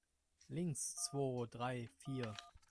Links, zwo, drei, vier!